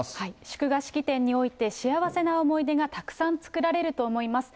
祝賀式典において、幸せな思い出がたくさん作られると思います。